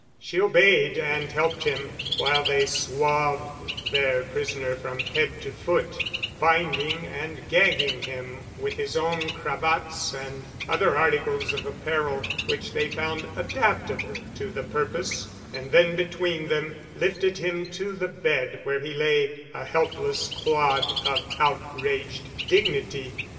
She obeyed and helped him while they swathed their prisoner from head to foot, binding and gagging him with his own cravats and other articles of apparel which they found adaptable to the purpose and then between them lifted him to the bed where he lay a helpless clod of outraged dignity.